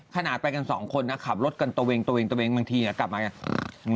ขนาดไปกันสองคนนะขับรถกันตัวเองตัวเองตัวเองบางทีนะกลับมากัน